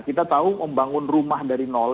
kita tahu membangun rumah dari